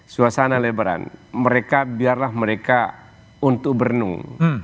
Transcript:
suasana lebaran mereka biarlah mereka untuk berenung